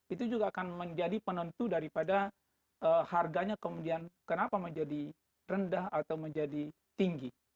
itu juga akan menjadi penentu daripada harganya kemudian kenapa menjadi rendah atau menjadi tinggi